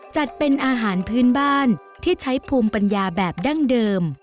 จัดเป็นอาหารพื้นบ้านที่ใช้ภูมิปัญญาแบบดั้งเดิม